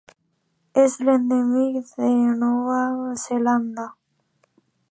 És endèmic de Nova Zelanda.